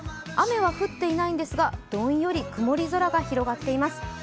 雨は降っていないんですが、どんより曇り空が広がっています。